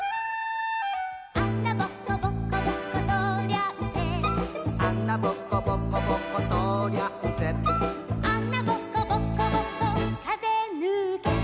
「あなぼこぼこぼことうりゃんせ」「あなぼこぼこぼことうりゃんせ」「あなぼこぼこぼこかぜぬけた」